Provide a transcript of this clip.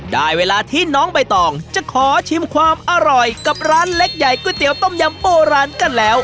ได้เวลาที่น้องใบตองจะขอชิมความอร่อยกับร้านเล็กใหญ่ก๋วยเตี๋ยต้มยำโบราณกันแล้ว